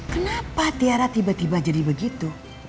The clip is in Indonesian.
kenapa tiara tiba tiba jadi begitu